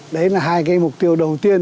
đấy là hai cái mục tiêu đầu tiên